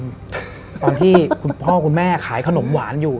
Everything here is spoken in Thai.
ตอนที่คุณพ่อคุณแม่ขายขนมหวานอยู่